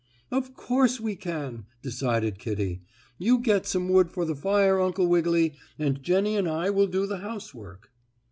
"Of course we can," decided Kittie. "You get some wood for the fire, Uncle Wiggily, and Jennie and I will do the housework."